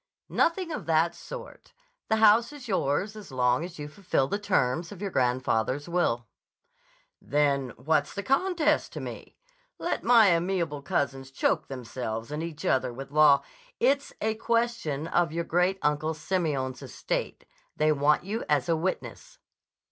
"Nothing of that sort. The house is yours as long as you fulfill the terms of your grandfather's will." "Then what's the contest to me? Let my amiable cousins choke themselves and each other with law—" "It's a question of your Great Uncle Simeon's estate. They want you as a witness."